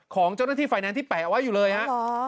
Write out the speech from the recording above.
ของเจ้าหน้าที่ไฟแนนซ์ที่แปะไว้อยู่เลยฮะ